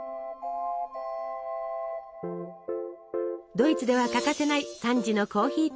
ドイツでは欠かせない３時のコーヒータイム。